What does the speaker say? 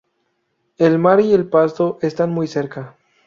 El mar y el pasto están muy cerca.